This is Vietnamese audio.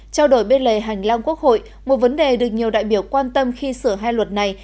trao đổi bên lề hành lang quốc hội một vấn đề được nhiều đại biểu quan tâm khi sửa hai luật này